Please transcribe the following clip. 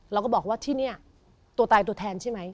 เราก็บอกว่าที่นี่ตัวตายตัวแทนใช่ไหม